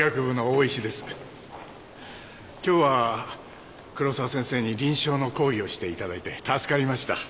今日は黒沢先生に臨床の講義をしていただいて助かりました。